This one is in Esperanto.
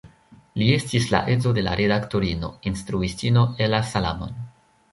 Li estis la edzo de redaktorino, instruistino Ella Salamon.